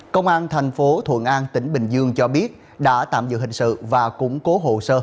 công an thành phố thuận an tỉnh bình dương cho biết đã tạm giữ hình sự và củng cố hồ sơ